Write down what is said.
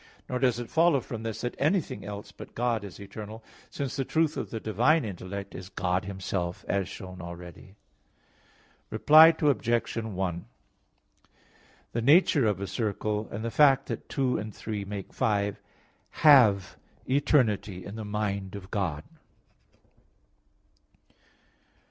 Nor does it follow from this that anything else but God is eternal; since the truth of the divine intellect is God Himself, as shown already (A. 5). Reply Obj. 1: The nature of a circle, and the fact that two and three make five, have eternity in the mind of God.